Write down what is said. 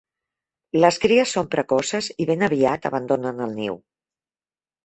Les cries són precoces i ben aviat abandonen el niu.